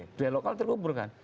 budaya lokal terkuburkan